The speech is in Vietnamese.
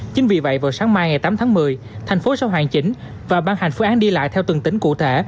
chính vì vậy vào sáng mai ngày tám tháng một mươi thành phố sẽ hoàn chỉnh và ban hành phương án đi lại theo từng tỉnh cụ thể